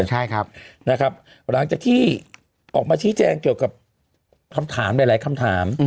หลังจากที่ออกมาชี้แจงเกี่ยวกับคำถามหลายคำถาม